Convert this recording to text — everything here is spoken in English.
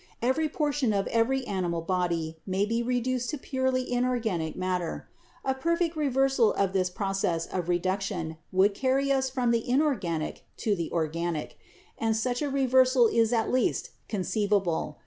Every portion of every animal body may be reduced to purely inorganic matter. A perfect reversal of this process of reduction would carry us from the inorganic to the organic ; and such a reversal is at least conceivable.